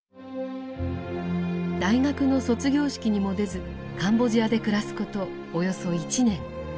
大学の卒業式にも出ずカンボジアで暮らすことおよそ１年。